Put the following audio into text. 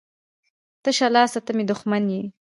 تشه لاسه ته مې دښمن یې